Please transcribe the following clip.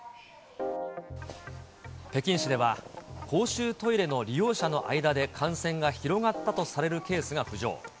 北京市では、公衆トイレの利用者の間で感染が広がったとされるケースが浮上。